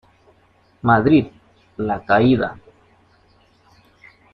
Madrid, La Caída.